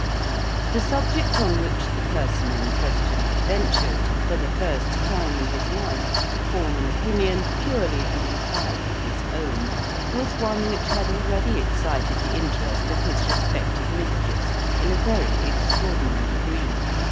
The subject on which the person in question had ventured, for the first time in his life, to form an opinion purely and entirely his own, was one which had already excited the interest of his respected mistress in a very extraordinary degree.